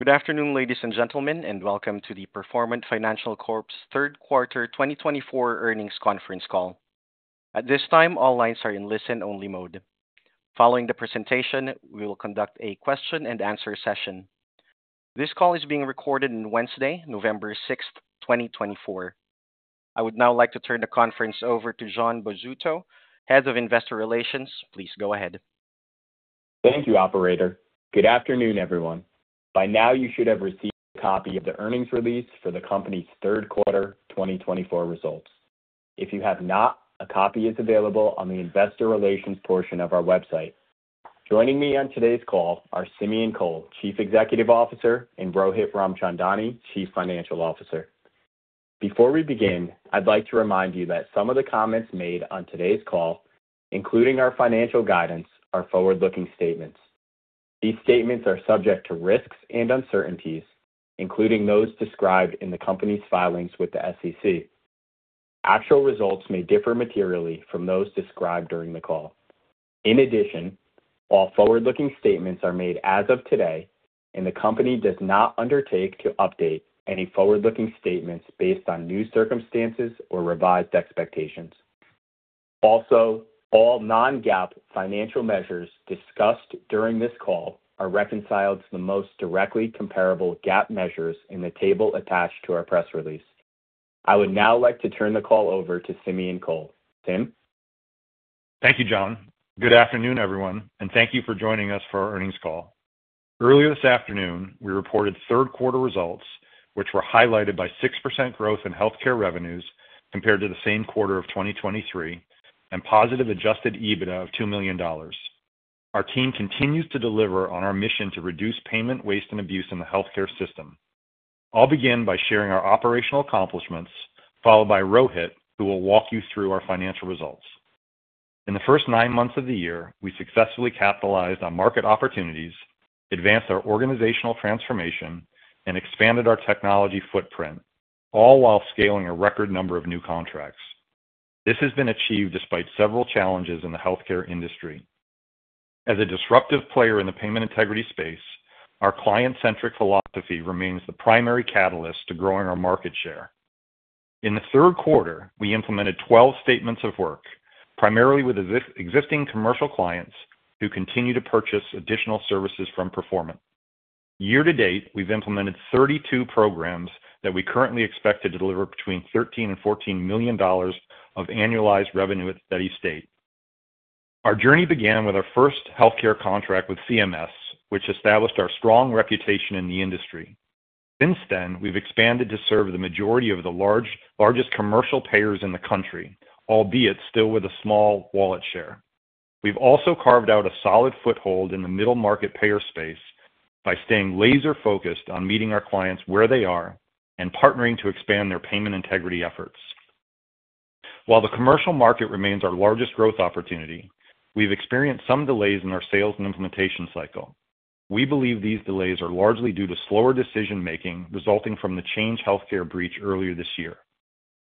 Good afternoon, ladies and gentlemen, and welcome to the Performant Financial Corp's Third Quarter 2024 Earnings Conference Call. At this time, all lines are in listen-only mode. Following the presentation, we will conduct a question-and-answer session. This call is being recorded on Wednesday, November 6, 2024. I would now like to turn the conference over to Jon Bozzuto, Head of Investor Relations. Please go ahead. Thank you, Operator. Good afternoon, everyone. By now, you should have received a copy of the earnings release for the company's third quarter 2024 results. If you have not, a copy is available on the Investor Relations portion of our website. Joining me on today's call are Simeon Kohl, Chief Executive Officer, and Rohit Ramchandani, Chief Financial Officer. Before we begin, I'd like to remind you that some of the comments made on today's call, including our financial guidance, are forward-looking statements. These statements are subject to risks and uncertainties, including those described in the company's filings with the SEC. The actual results may differ materially from those described during the call. In addition, all forward-looking statements are made as of today, and the company does not undertake to update any forward-looking statements based on new circumstances or revised expectations. Also, all non-GAAP financial measures discussed during this call are reconciled to the most directly comparable GAAP measures in the table attached to our press release. I would now like to turn the call over to Simeon Kohl. Sim? Thank you, Jon. Good afternoon, everyone, and thank you for joining us for our earnings call. Earlier this afternoon, we reported third quarter results, which were highlighted by 6% growth in healthcare revenues compared to the same quarter of 2023 and positive Adjusted EBITDA of $2 million. Our team continues to deliver on our mission to reduce payment waste and abuse in the healthcare system. I'll begin by sharing our operational accomplishments, followed by Rohit, who will walk you through our financial results. In the first nine months of the year, we successfully capitalized on market opportunities, advanced our organizational transformation, and expanded our technology footprint, all while scaling a record number of new contracts. This has been achieved despite several challenges in the healthcare industry. As a disruptive player in the payment integrity space, our client-centric philosophy remains the primary catalyst to growing our market share. In the third quarter, we implemented 12 statements of work, primarily with existing commercial clients who continue to purchase additional services from Performant. Year to date, we've implemented 32 programs that we currently expect to deliver between $13 million and $14 million of annualized revenue at steady state. Our journey began with our first healthcare contract with CMS, which established our strong reputation in the industry. Since then, we've expanded to serve the majority of the largest commercial payers in the country, albeit still with a small wallet share. We've also carved out a solid foothold in the middle market payer space by staying laser-focused on meeting our clients where they are and partnering to expand their payment integrity efforts. While the commercial market remains our largest growth opportunity, we've experienced some delays in our sales and implementation cycle. We believe these delays are largely due to slower decision-making resulting from the Change Healthcare breach earlier this year.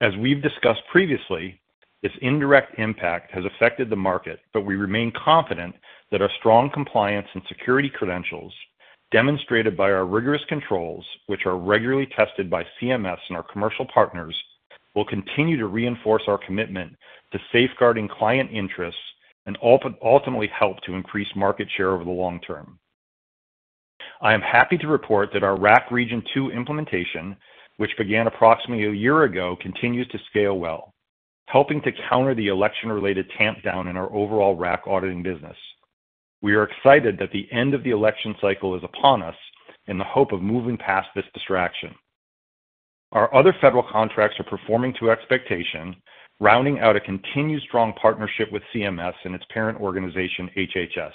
As we've discussed previously, this indirect impact has affected the market, but we remain confident that our strong compliance and security credentials, demonstrated by our rigorous controls, which are regularly tested by CMS and our commercial partners, will continue to reinforce our commitment to safeguarding client interests and ultimately help to increase market share over the long term. I am happy to report that our RAC Region 2 implementation, which began approximately a year ago, continues to scale well, helping to counter the election-related tamp down in our overall RAC auditing business. We are excited that the end of the election cycle is upon us in the hope of moving past this distraction. Our other federal contracts are performing to expectation, rounding out a continued strong partnership with CMS and its parent organization, HHS.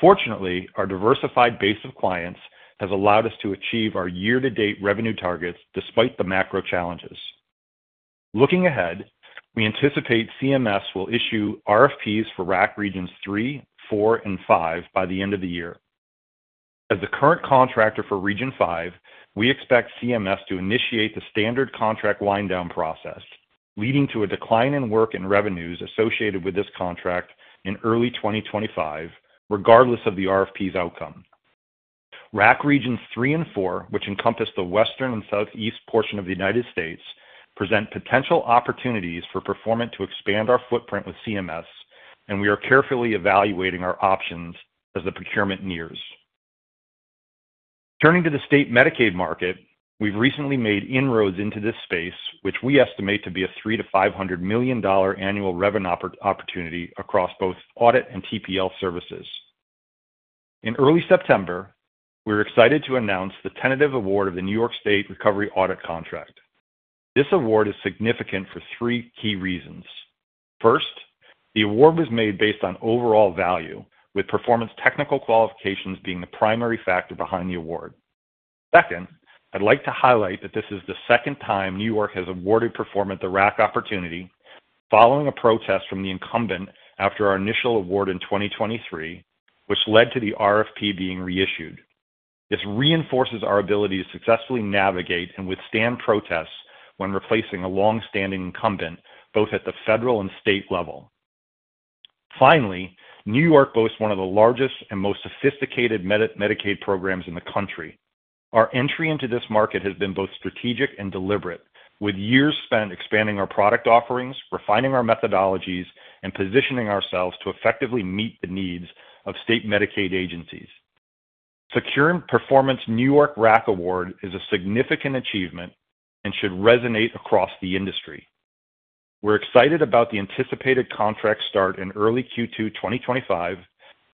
Fortunately, our diversified base of clients has allowed us to achieve our year-to-date revenue targets despite the macro challenges. Looking ahead, we anticipate CMS will issue RFPs for RAC Regions 3, 4, and 5 by the end of the year. As the current contractor for Region 5, we expect CMS to initiate the standard contract wind-down process, leading to a decline in work and revenues associated with this contract in early 2025, regardless of the RFP's outcome. RAC Regions 3 and 4, which encompass the western and southeast portion of the United States, present potential opportunities for Performant to expand our footprint with CMS, and we are carefully evaluating our options as the procurement nears. Turning to the state Medicaid market, we've recently made inroads into this space, which we estimate to be a $300 million-$500 million annual revenue opportunity across both audit and TPL services. In early September, we're excited to announce the tentative award of the New York State Recovery Audit contract. This award is significant for three key reasons. First, the award was made based on overall value, with Performant's technical qualifications being the primary factor behind the award. Second, I'd like to highlight that this is the second time New York has awarded Performant the RAC opportunity, following a protest from the incumbent after our initial award in 2023, which led to the RFP being reissued. This reinforces our ability to successfully navigate and withstand protests when replacing a long-standing incumbent, both at the federal and state level. Finally, New York boasts one of the largest and most sophisticated Medicaid programs in the country. Our entry into this market has been both strategic and deliberate, with years spent expanding our product offerings, refining our methodologies, and positioning ourselves to effectively meet the needs of state Medicaid agencies. Securing Performant's New York RAC award is a significant achievement and should resonate across the industry. We're excited about the anticipated contract start in early Q2 2025,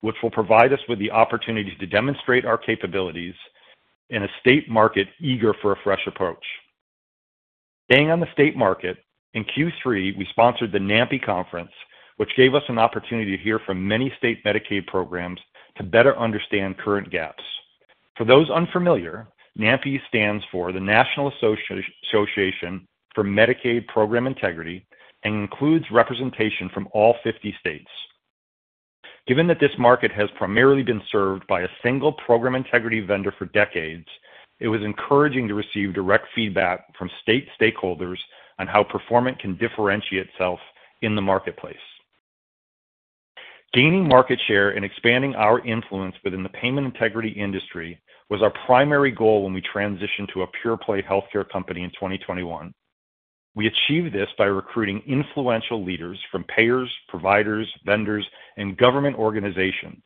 which will provide us with the opportunity to demonstrate our capabilities in a state market eager for a fresh approach. Staying on the state market, in Q3, we sponsored the NAMPI Conference, which gave us an opportunity to hear from many state Medicaid programs to better understand current gaps. For those unfamiliar, NAMPI stands for the National Association for Medicaid Program Integrity and includes representation from all 50 states. Given that this market has primarily been served by a single program integrity vendor for decades, it was encouraging to receive direct feedback from state stakeholders on how Performant can differentiate itself in the marketplace. Gaining market share and expanding our influence within the payment integrity industry was our primary goal when we transitioned to a pure-play healthcare company in 2021. We achieved this by recruiting influential leaders from payers, providers, vendors, and government organizations,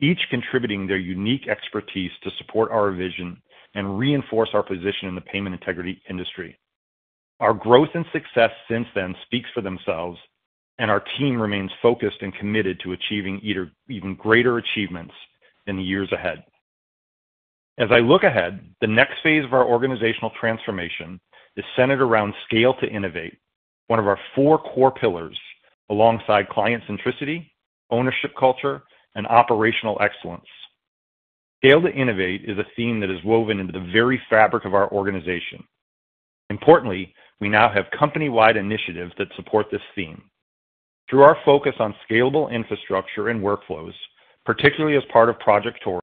each contributing their unique expertise to support our vision and reinforce our position in the payment integrity industry. Our growth and success since then speak for themselves, and our team remains focused and committed to achieving even greater achievements in the years ahead. As I look ahead, the next phase of our organizational transformation is centered around Scale to Innovate, one of our four core pillars, alongside Client Centricity, Ownership Culture, and Operational Excellence. Scale to Innovate is a theme that is woven into the very fabric of our organization. Importantly, we now have company-wide initiatives that support this theme. Through our focus on scalable infrastructure and workflows, particularly as part of Project Tori,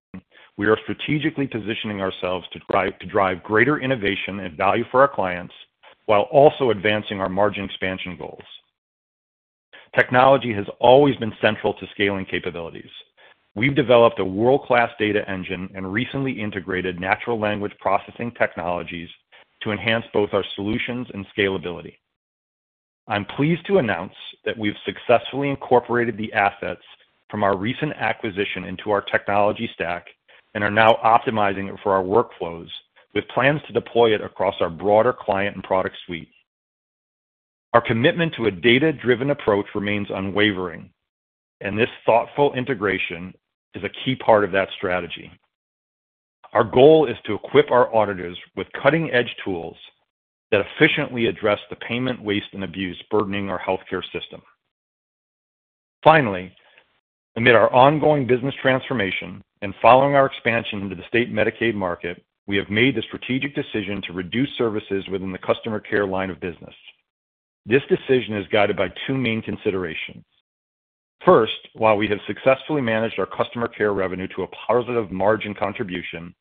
we are strategically positioning ourselves to drive greater innovation and value for our clients while also advancing our margin expansion goals. Technology has always been central to scaling capabilities. We've developed a world-class data engine and recently integrated natural language processing technologies to enhance both our solutions and scalability. I'm pleased to announce that we've successfully incorporated the assets from our recent acquisition into our technology stack and are now optimizing it for our workflows, with plans to deploy it across our broader client and product suite. Our commitment to a data-driven approach remains unwavering, and this thoughtful integration is a key part of that strategy. Our goal is to equip our auditors with cutting-edge tools that efficiently address the payment waste and abuse burdening our healthcare system. Finally, amid our ongoing business transformation and following our expansion into the state Medicaid market, we have made the strategic decision to reduce services within the customer care line of business. This decision is guided by two main considerations. First, while we have successfully managed our customer care revenue to a positive margin contribution,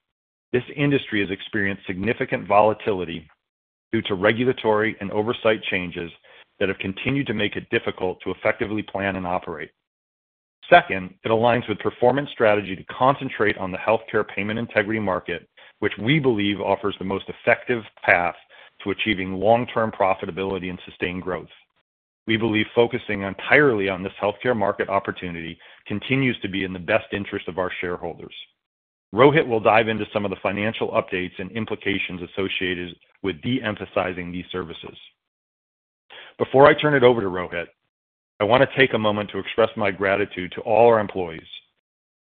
this industry has experienced significant volatility due to regulatory and oversight changes that have continued to make it difficult to effectively plan and operate. Second, it aligns with Performant's strategy to concentrate on the healthcare payment integrity market, which we believe offers the most effective path to achieving long-term profitability and sustained growth. We believe focusing entirely on this healthcare market opportunity continues to be in the best interest of our shareholders. Rohit will dive into some of the financial updates and implications associated with de-emphasizing these services. Before I turn it over to Rohit, I want to take a moment to express my gratitude to all our employees.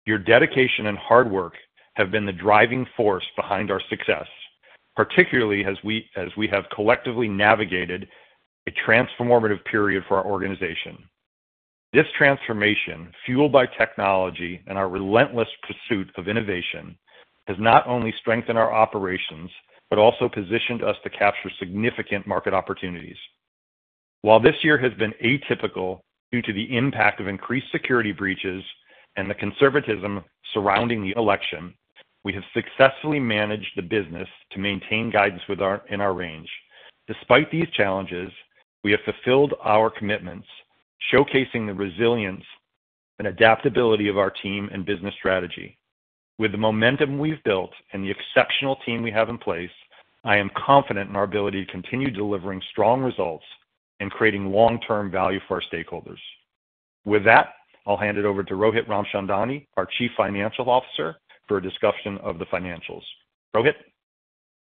Your dedication and hard work have been the driving force behind our success, particularly as we have collectively navigated a transformative period for our organization. This transformation, fueled by technology and our relentless pursuit of innovation, has not only strengthened our operations but also positioned us to capture significant market opportunities. While this year has been atypical due to the impact of increased security breaches and the conservatism surrounding the election, we have successfully managed the business to maintain guidance in our range. Despite these challenges, we have fulfilled our commitments, showcasing the resilience and adaptability of our team and business strategy. With the momentum we've built and the exceptional team we have in place, I am confident in our ability to continue delivering strong results and creating long-term value for our stakeholders. With that, I'll hand it over to Rohit Ramchandani, our Chief Financial Officer, for a discussion of the financials. Rohit?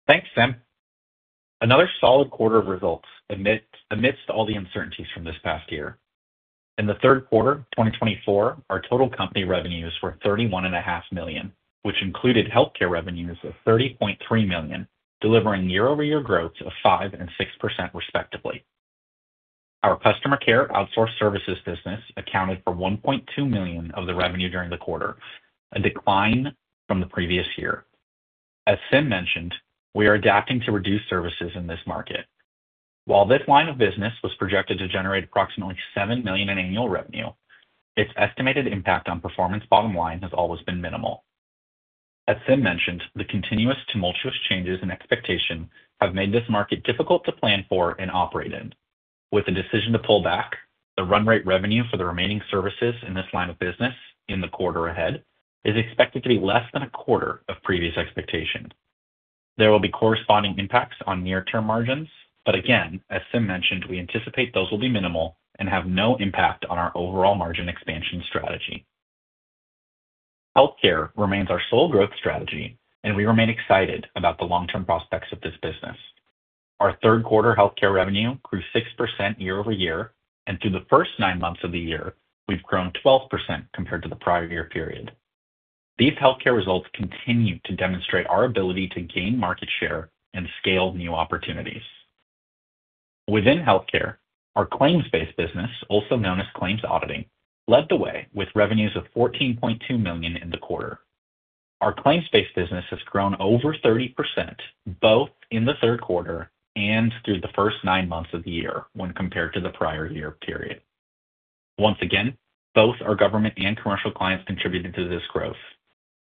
Thanks, Sim. Another solid quarter of results amidst all the uncertainties from this past year. In the third quarter, 2024, our total company revenues were $31.5 million, which included healthcare revenues of $30.3 million, delivering year-over-year growth of 5% and 6%, respectively. Our customer care outsourced services business accounted for $1.2 million of the revenue during the quarter, a decline from the previous year. As Sim mentioned, we are adapting to reduce services in this market. While this line of business was projected to generate approximately $7 million in annual revenue, its estimated impact on Performant's bottom line has always been minimal. As Sim mentioned, the continuous tumultuous changes in expectation have made this market difficult to plan for and operate in. With the decision to pull back, the run rate revenue for the remaining services in this line of business in the quarter ahead is expected to be less than a quarter of previous expectations. There will be corresponding impacts on near-term margins, but again, as Sim mentioned, we anticipate those will be minimal and have no impact on our overall margin expansion strategy. Healthcare remains our sole growth strategy, and we remain excited about the long-term prospects of this business. Our third quarter healthcare revenue grew 6% year-over-year, and through the first nine months of the year, we've grown 12% compared to the prior year period. These healthcare results continue to demonstrate our ability to gain market share and scale new opportunities. Within healthcare, our claims-based business, also known as claims auditing, led the way with revenues of $14.2 million in the quarter. Our claims-based business has grown over 30% both in the third quarter and through the first nine months of the year when compared to the prior year period. Once again, both our government and commercial clients contributed to this growth.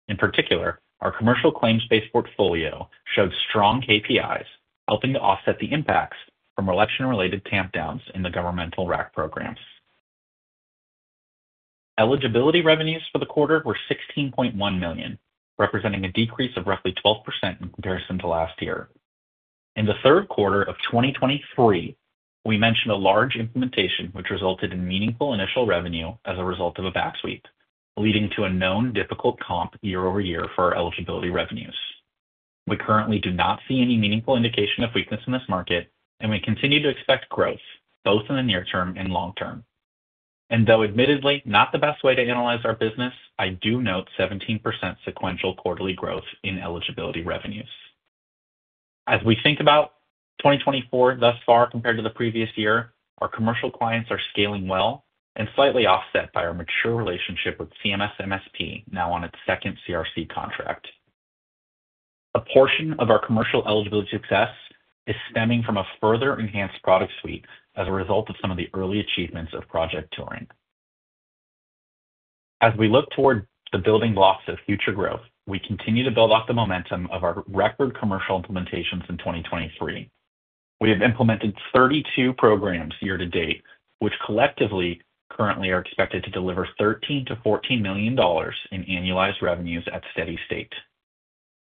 In particular, our commercial claims-based portfolio showed strong KPIs, helping to offset the impacts from election-related tampdowns in the governmental RAC programs. Eligibility revenues for the quarter were $16.1 million, representing a decrease of roughly 12% in comparison to last year. In the third quarter of 2023, we mentioned a large implementation which resulted in meaningful initial revenue as a result of a back sweep, leading to a known difficult comp year-over-year for our eligibility revenues. We currently do not see any meaningful indication of weakness in this market, and we continue to expect growth both in the near term and long term. And though admittedly not the best way to analyze our business, I do note 17% sequential quarterly growth in eligibility revenues. As we think about 2024 thus far compared to the previous year, our commercial clients are scaling well and slightly offset by our mature relationship with CMS MSP, now on its second CRC contract. A portion of our commercial eligibility success is stemming from a further enhanced product suite as a result of some of the early achievements of Project Tori. As we look toward the building blocks of future growth, we continue to build off the momentum of our record commercial implementations in 2023. We have implemented 32 programs year-to-date, which collectively currently are expected to deliver $13 million-$14 million in annualized revenues at steady state.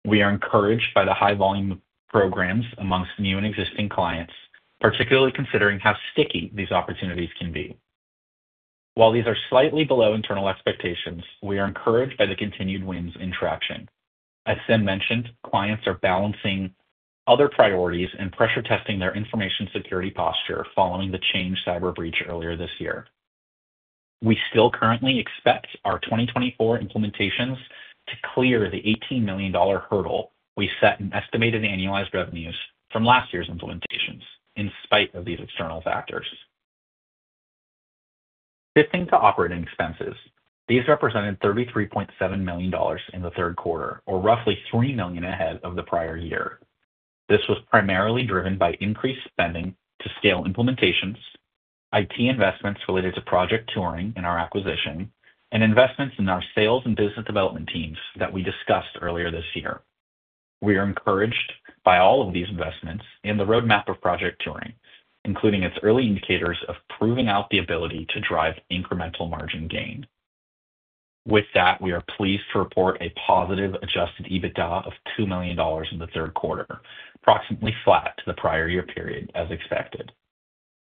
We are encouraged by the high volume of programs among new and existing clients, particularly considering how sticky these opportunities can be. While these are slightly below internal expectations, we are encouraged by the continued wins in traction. As Sim mentioned, clients are balancing other priorities and pressure testing their information security posture following the Change cyber breach earlier this year. We still currently expect our 2024 implementations to clear the $18 million hurdle we set in estimated annualized revenues from last year's implementations, in spite of these external factors. Shifting to operating expenses, these represented $33.7 million in the third quarter, or roughly $3 million ahead of the prior year. This was primarily driven by increased spending to scale implementations, IT investments related to Project Tori and our acquisition, and investments in our sales and business development teams that we discussed earlier this year. We are encouraged by all of these investments in the roadmap of Project Tori, including its early indicators of proving out the ability to drive incremental margin gain. With that, we are pleased to report a positive Adjusted EBITDA of $2 million in the third quarter, approximately flat to the prior year period, as expected.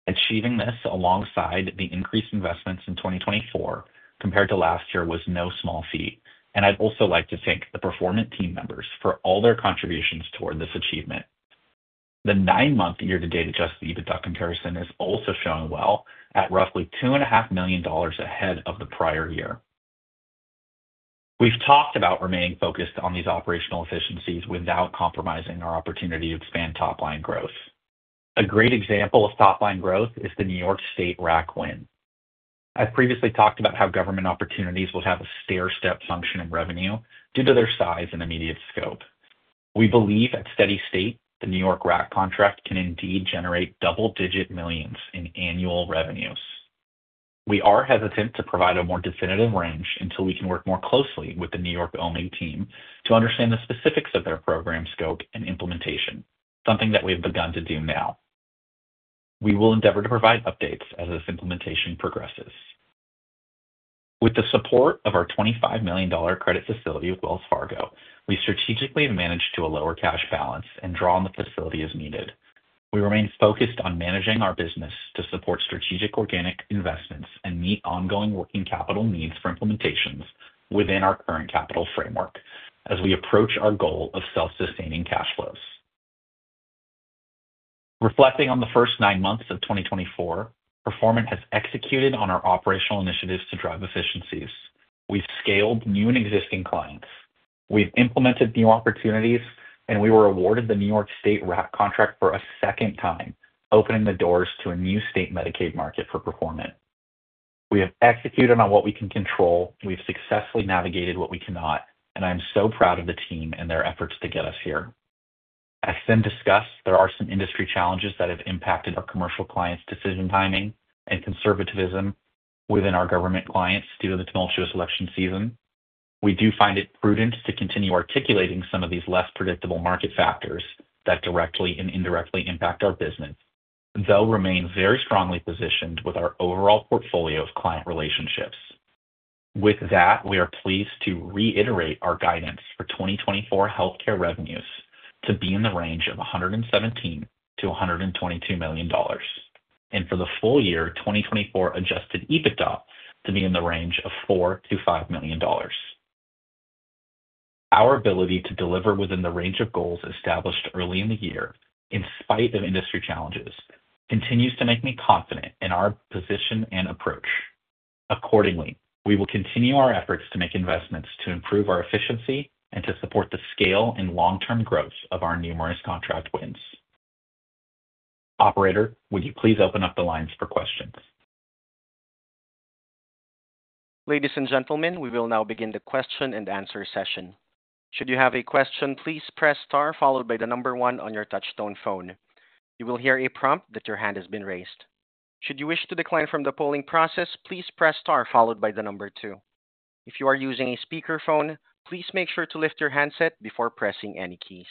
Achieving this alongside the increased investments in 2024 compared to last year was no small feat, and I'd also like to thank the Performant team members for all their contributions toward this achievement. The nine-month year-to-date Adjusted EBITDA comparison is also showing well at roughly $2.5 million ahead of the prior year. We've talked about remaining focused on these operational efficiencies without compromising our opportunity to expand top-line growth. A great example of top-line growth is the New York State RAC win. I've previously talked about how government opportunities will have a stair-step function in revenue due to their size and immediate scope. We believe at steady state, the New York RAC contract can indeed generate double-digit millions in annual revenues. We are hesitant to provide a more definitive range until we can work more closely with the New York-only team to understand the specifics of their program scope and implementation, something that we have begun to do now. We will endeavor to provide updates as this implementation progresses. With the support of our $25 million credit facility with Wells Fargo, we strategically have managed to a lower cash balance and draw on the facility as needed. We remain focused on managing our business to support strategic organic investments and meet ongoing working capital needs for implementations within our current capital framework as we approach our goal of self-sustaining cash flows. Reflecting on the first nine months of 2024, Performant has executed on our operational initiatives to drive efficiencies. We've scaled new and existing clients. We've implemented new opportunities, and we were awarded the New York State RAC contract for a second time, opening the doors to a new state Medicaid market for Performant. We have executed on what we can control, we've successfully navigated what we cannot, and I am so proud of the team and their efforts to get us here. As Sim discussed, there are some industry challenges that have impacted our commercial clients' decision timing and conservatism within our government clients due to the tumultuous election season. We do find it prudent to continue articulating some of these less predictable market factors that directly and indirectly impact our business, though remain very strongly positioned with our overall portfolio of client relationships. With that, we are pleased to reiterate our guidance for 2024 healthcare revenues to be in the range of $117 million-$122 million, and for the full year 2024 Adjusted EBITDA to be in the range of $4 million-$5 million. Our ability to deliver within the range of goals established early in the year, in spite of industry challenges, continues to make me confident in our position and approach. Accordingly, we will continue our efforts to make investments to improve our efficiency and to support the scale and long-term growth of our numerous contract wins. Operator, would you please open up the lines for questions? Ladies and gentlemen, we will now begin the question and answer session. Should you have a question, please press star followed by the number one on your touch-tone phone. You will hear a prompt that your hand has been raised. Should you wish to decline from the polling process, please press star followed by the number two. If you are using a speakerphone, please make sure to lift your handset before pressing any keys.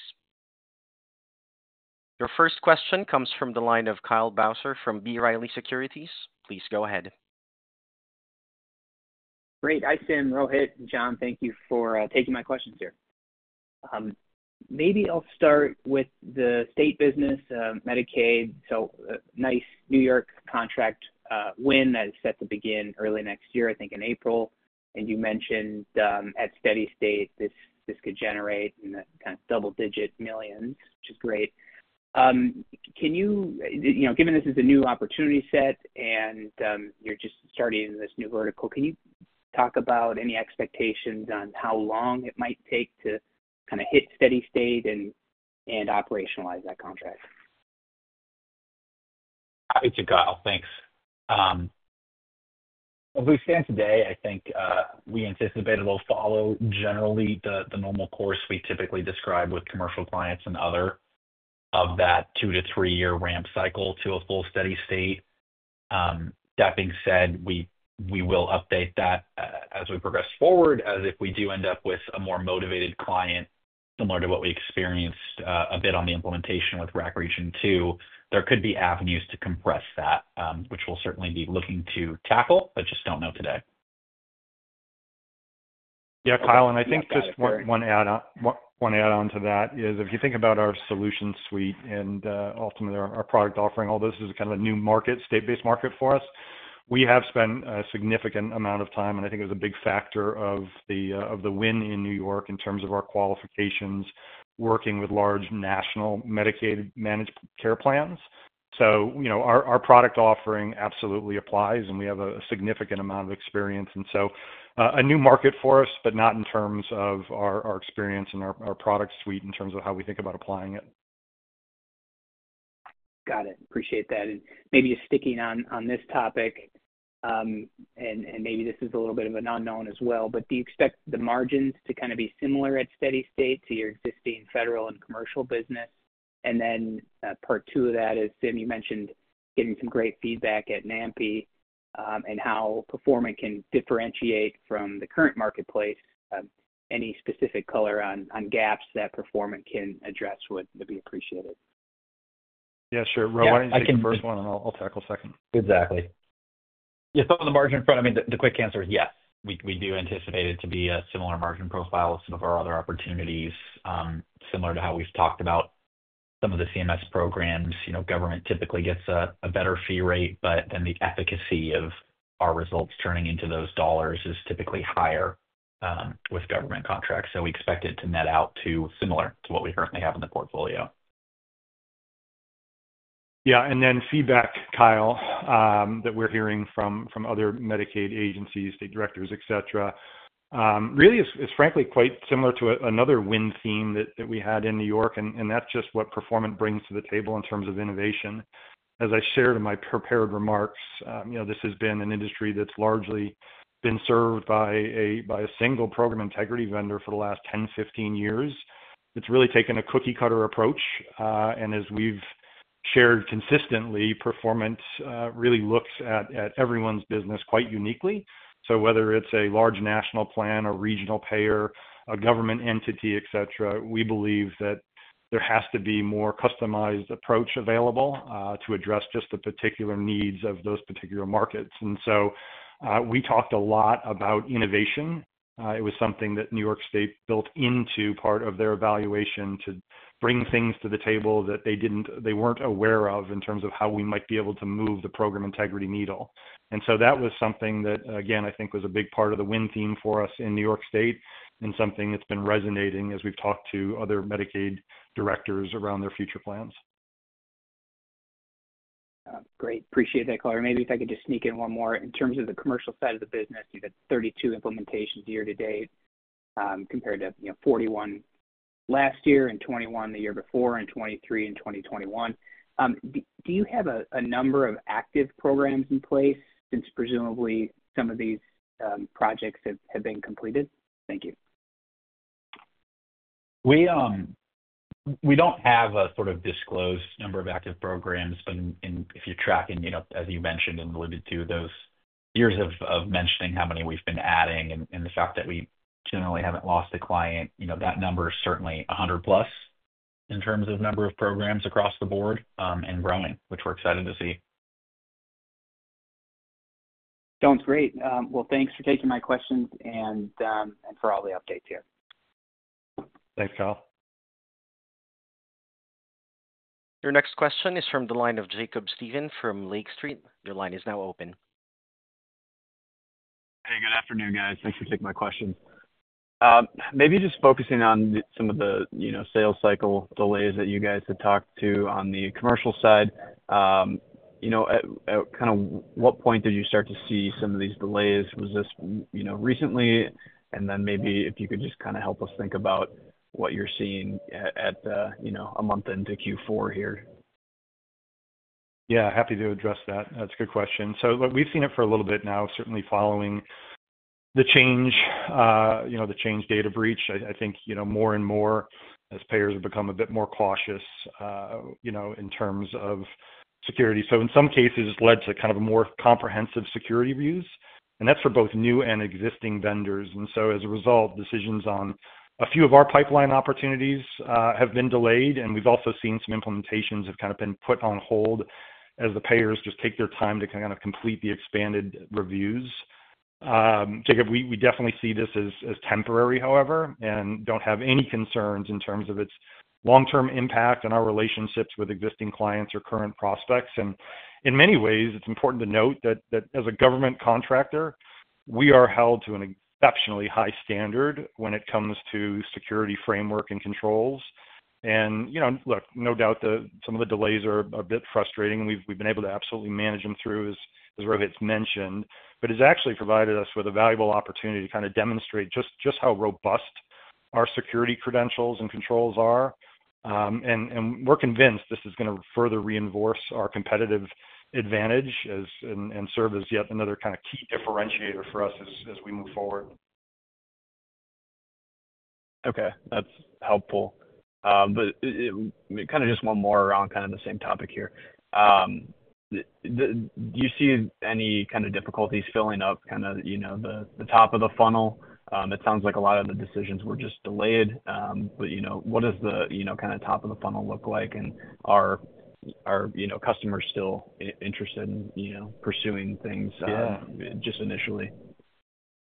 Your first question comes from the line of Kyle Bauser from B. Riley Securities. Please go ahead. Great. Hi, Sim, Rohit, and Jon. Thank you for taking my questions here. Maybe I'll start with the state business, Medicaid. So, nice New York contract win that is set to begin early next year, I think in April. And you mentioned at steady state, this could generate kind of double-digit millions, which is great. Can you, given this is a new opportunity set and you're just starting in this new vertical, can you talk about any expectations on how long it might take to kind of hit steady state and operationalize that contract? Hi, to Kyle. Thanks. As we stand today, I think we anticipate it will follow generally the normal course we typically describe with commercial clients and other of that two- to three-year ramp cycle to a full steady state. That being said, we will update that as we progress forward. As if we do end up with a more motivated client, similar to what we experienced a bit on the implementation with RAC Region 2, there could be avenues to compress that, which we'll certainly be looking to tackle, but just don't know today. Yeah, Kyle, and I think just one add-on to that is if you think about our solution suite and ultimately our product offering, all this is kind of a new market, state-based market for us. We have spent a significant amount of time, and I think it was a big factor of the win in New York in terms of our qualifications working with large national Medicaid-managed care plans. So our product offering absolutely applies, and we have a significant amount of experience. And so a new market for us, but not in terms of our experience and our product suite in terms of how we think about applying it. Got it. Appreciate that. And maybe just sticking on this topic, and maybe this is a little bit of an unknown as well, but do you expect the margins to kind of be similar at steady state to your existing federal and commercial business? And then part two of that is, Sim, you mentioned getting some great feedback at NAMPI and how Performant can differentiate from the current marketplace. Any specific color on gaps that Performant can address would be appreciated. Yeah, sure. Rohit, you take the first one, and I'll tackle second. Exactly. Yeah, so on the margin front, I mean, the quick answer is yes. We do anticipate it to be a similar margin profile to some of our other opportunities, similar to how we've talked about some of the CMS programs. Government typically gets a better fee rate, but then the efficacy of our results turning into those dollars is typically higher with government contracts. So we expect it to net out similar to what we currently have in the portfolio. Yeah, and then feedback, Kyle, that we're hearing from other Medicaid agencies, state directors, et cetera, really is frankly quite similar to another win theme that we had in New York, and that's just what Performant brings to the table in terms of innovation. As I shared in my prepared remarks, this has been an industry that's largely been served by a single program integrity vendor for the last 10, 15 years. It's really taken a cookie-cutter approach. And as we've shared consistently, Performant really looks at everyone's business quite uniquely. So whether it's a large national plan, a regional payer, a government entity, et cetera, we believe that there has to be more customized approach available to address just the particular needs of those particular markets. And so we talked a lot about innovation. It was something that New York State built into part of their evaluation to bring things to the table that they weren't aware of in terms of how we might be able to move the program integrity needle, and so that was something that, again, I think was a big part of the win theme for us in New York State and something that's been resonating as we've talked to other Medicaid directors around their future plans. Great. Appreciate that, Kohl. Maybe if I could just sneak in one more. In terms of the commercial side of the business, you've had 32 implementations year-to-date compared to 41 last year and 21 the year before and 23 in 2021. Do you have a number of active programs in place since presumably some of these projects have been completed? Thank you. We don't have a sort of disclosed number of active programs, but if you're tracking, as you mentioned and alluded to, those years of mentioning how many we've been adding and the fact that we generally haven't lost a client, that number is certainly 100-plus in terms of number of programs across the board and growing, which we're excited to see. Sounds great. Well, thanks for taking my questions and for all the updates here. Thanks, Kyle. Your next question is from the line of Jacob Stephan from Lake Street. Your line is now open. Hey, good afternoon, guys. Thanks for taking my questions. Maybe just focusing on some of the sales cycle delays that you guys had talked to on the commercial side. Kind of what point did you start to see some of these delays? Was this recently? And then maybe if you could just kind of help us think about what you're seeing at a month into Q4 here. Yeah, happy to address that. That's a good question, so we've seen it for a little bit now, certainly following the Change Healthcare data breach. I think more and more as payers have become a bit more cautious in terms of security, so in some cases, it's led to kind of a more comprehensive security reviews. And that's for both new and existing vendors, and so as a result, decisions on a few of our pipeline opportunities have been delayed. And we've also seen some implementations have kind of been put on hold as the payers just take their time to kind of complete the expanded reviews. Jacob, we definitely see this as temporary, however, and don't have any concerns in terms of its long-term impact on our relationships with existing clients or current prospects. And in many ways, it's important to note that as a government contractor, we are held to an exceptionally high standard when it comes to security framework and controls. And look, no doubt that some of the delays are a bit frustrating. We've been able to absolutely manage them through, as Rohit's mentioned, but it's actually provided us with a valuable opportunity to kind of demonstrate just how robust our security credentials and controls are. And we're convinced this is going to further reinforce our competitive advantage and serve as yet another kind of key differentiator for us as we move forward. Okay. That's helpful. But kind of just one more around kind of the same topic here. Do you see any kind of difficulties filling up kind of the top of the funnel? It sounds like a lot of the decisions were just delayed. But what does the kind of top of the funnel look like? And are customers still interested in pursuing things just initially?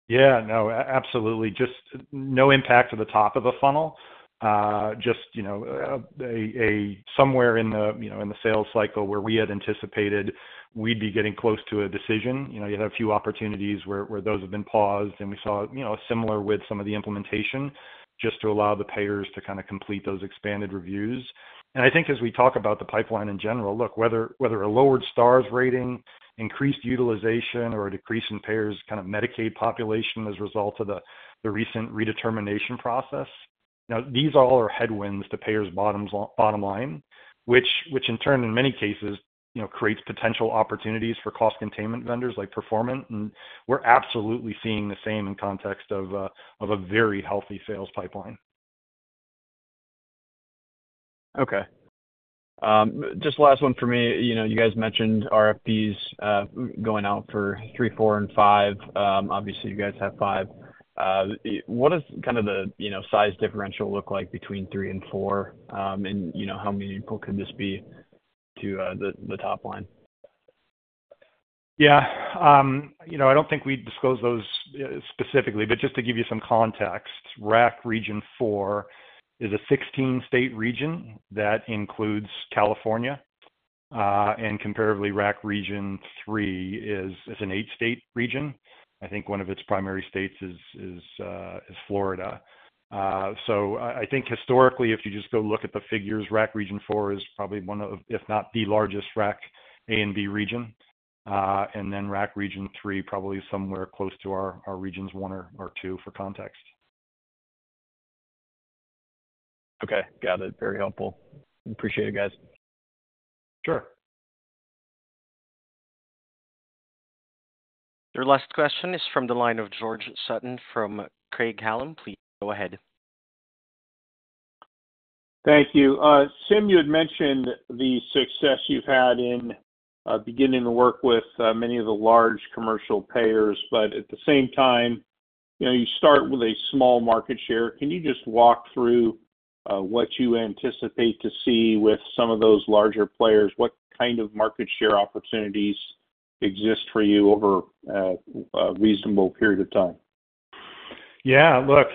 Yeah, no, absolutely. Just no impact to the top of the funnel. Just somewhere in the sales cycle where we had anticipated we'd be getting close to a decision. You had a few opportunities where those have been paused, and we saw similar with some of the implementation just to allow the payers to kind of complete those expanded reviews. And I think as we talk about the pipeline in general, look, whether a lowered stars rating, increased utilization, or a decrease in payers' kind of Medicaid population as a result of the recent redetermination process, now these all are headwinds to payers' bottom line, which in turn, in many cases, creates potential opportunities for cost containment vendors like Performant. And we're absolutely seeing the same in context of a very healthy sales pipeline. Okay. Just last one for me. You guys mentioned RFPs going out for three, four, and five. Obviously, you guys have five. What does kind of the size differential look like between three and four? And how meaningful could this be to the top line? Yeah. I don't think we disclose those specifically, but just to give you some context, RAC Region 4 is a 16-state region that includes California. And comparatively, RAC Region 3 is an eight-state region. I think one of its primary states is Florida. So I think historically, if you just go look at the figures, RAC Region 4 is probably one of, if not the largest RAC A and B region. And then RAC Region 3, probably somewhere close to our Regions 1 or 2 for context. Okay. Got it. Very helpful. Appreciate it, guys. Sure. Your last question is from the line of George Sutton from Craig-Hallum. Please go ahead. Thank you. Sim, you had mentioned the success you've had in beginning to work with many of the large commercial payers, but at the same time, you start with a small market share. Can you just walk through what you anticipate to see with some of those larger players? What kind of market share opportunities exist for you over a reasonable period of time? Yeah. Look,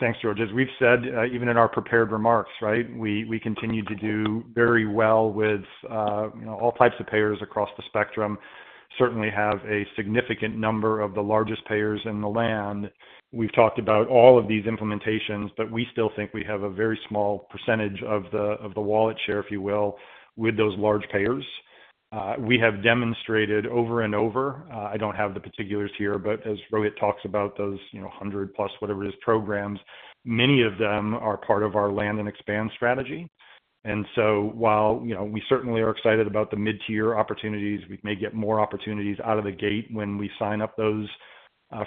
thanks, George. As we've said, even in our prepared remarks, right, we continue to do very well with all types of payers across the spectrum. Certainly have a significant number of the largest payers in the land. We've talked about all of these implementations, but we still think we have a very small percentage of the wallet share, if you will, with those large payers. We have demonstrated over and over, I don't have the particulars here, but as Rohit talks about those 100-plus, whatever it is, programs, many of them are part of our land and expand strategy. And so while we certainly are excited about the mid-tier opportunities, we may get more opportunities out of the gate when we sign up those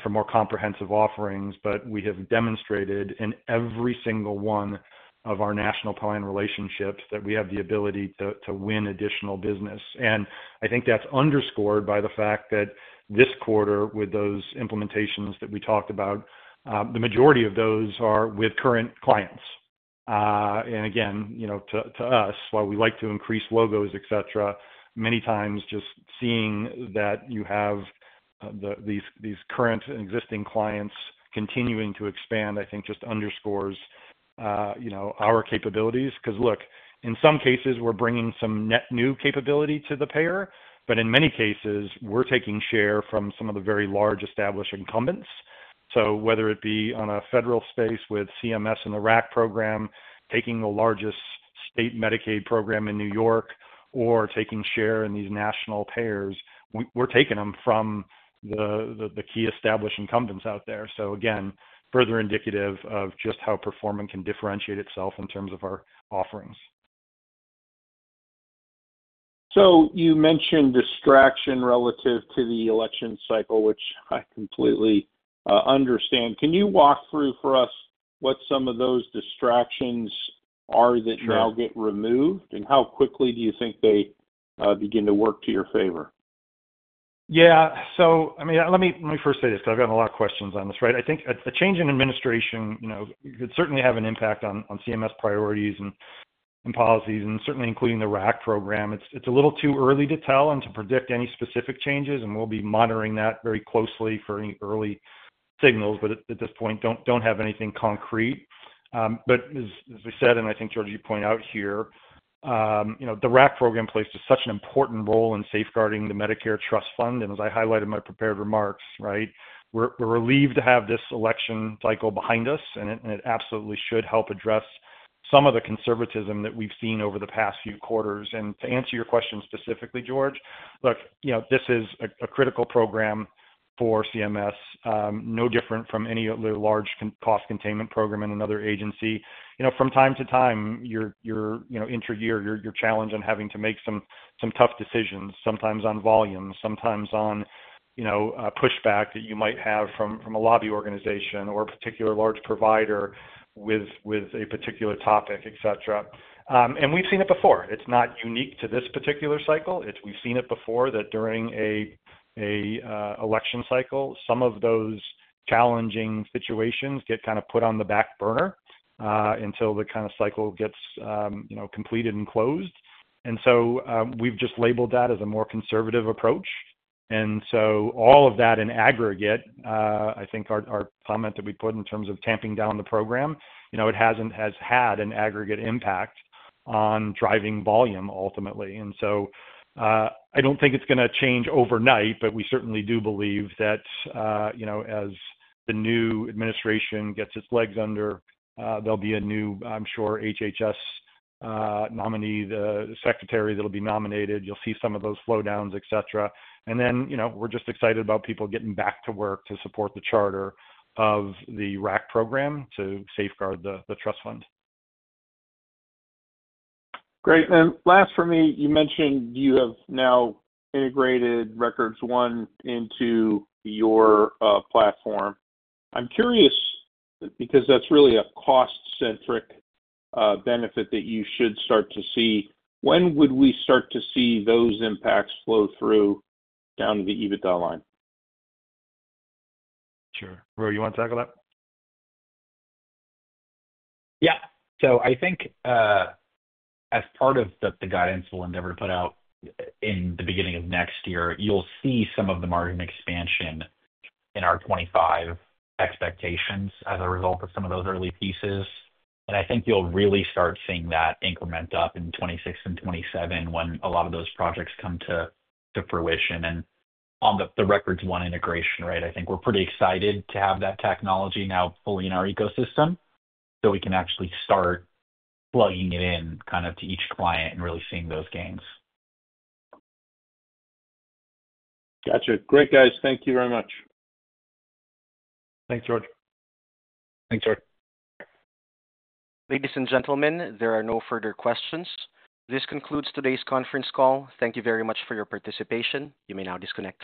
for more comprehensive offerings, but we have demonstrated in every single one of our national plan relationships that we have the ability to win additional business. And I think that's underscored by the fact that this quarter, with those implementations that we talked about, the majority of those are with current clients. And again, to us, while we like to increase logos, et cetera, many times just seeing that you have these current and existing clients continuing to expand, I think just underscores our capabilities. Because look, in some cases, we're bringing some net new capability to the payer, but in many cases, we're taking share from some of the very large established incumbents. So whether it be on a federal space with CMS and the RAC program, taking the largest state Medicaid program in New York, or taking share in these national payers, we're taking them from the key established incumbents out there. So again, further indicative of just how Performant can differentiate itself in terms of our offerings. So you mentioned distraction relative to the election cycle, which I completely understand. Can you walk through for us what some of those distractions are that now get removed? And how quickly do you think they begin to work to your favor? Yeah. So I mean, let me first say this because I've got a lot of questions on this, right? I think a change in administration could certainly have an impact on CMS priorities and policies, and certainly including the RAC program. It's a little too early to tell and to predict any specific changes, and we'll be monitoring that very closely for any early signals, but at this point, don't have anything concrete. But as we said, and I think, George, you point out here, the RAC program plays such an important role in safeguarding the Medicare Trust Fund. And as I highlighted in my prepared remarks, right, we're relieved to have this election cycle behind us, and it absolutely should help address some of the conservatism that we've seen over the past few quarters. To answer your question specifically, George, look, this is a critical program for CMS, no different from any of the large cost containment program in another agency. From time to time, year-to-year, you're challenged on having to make some tough decisions, sometimes on volume, sometimes on pushback that you might have from a lobby organization or a particular large provider with a particular topic, et cetera. We've seen it before. It's not unique to this particular cycle. We've seen it before, that during an election cycle, some of those challenging situations get kind of put on the back burner until the kind of cycle gets completed and closed. So we've just labeled that as a more conservative approach. And so all of that in aggregate, I think our comment that we put in terms of tamping down the program, it has had an aggregate impact on driving volume, ultimately. And so I don't think it's going to change overnight, but we certainly do believe that as the new administration gets its legs under, there'll be a new, I'm sure, HHS nominee, the Secretary that'll be nominated. You'll see some of those slowdowns, et cetera. And then we're just excited about people getting back to work to support the charter of the RAC program to safeguard the Trust Fund. Great. And last for me, you mentioned you have now integrated RecordsOne into your platform. I'm curious because that's really a cost-centric benefit that you should start to see. When would we start to see those impacts flow through down to the EBITDA line? Sure. Roh, you want to tackle that? Yeah. So I think as part of the guidance we'll endeavor to put out in the beginning of next year, you'll see some of the margin expansion in our 2025 expectations as a result of some of those early pieces, and I think you'll really start seeing that increment up in 2026 and 2027 when a lot of those projects come to fruition, and on the RecordsOne integration, right, I think we're pretty excited to have that technology now fully in our ecosystem so we can actually start plugging it in kind of to each client and really seeing those gains. Gotcha. Great, guys. Thank you very much. Thanks, George. Thanks, George. Ladies and gentlemen, there are no further questions. This concludes today's conference call. Thank you very much for your participation. You may now disconnect.